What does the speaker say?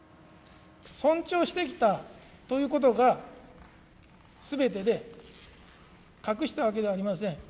尊重してきたということがすべてで、隠したわけではありません。